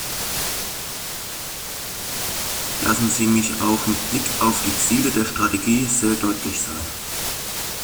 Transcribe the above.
Lassen Sie mich auch mit Blick auf die Ziele der Strategie sehr deutlich sein.